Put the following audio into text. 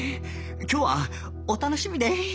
今日はお楽しみデー